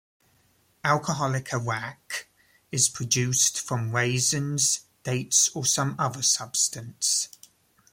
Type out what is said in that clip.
Alcoholic aragh is produced from raisins, dates or some other substance.